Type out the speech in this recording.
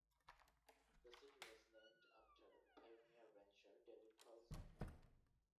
The city was named after pioneer rancher David Polson.